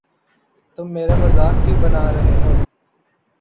تم میرا مزاق کیوں بنا رہے ہو؟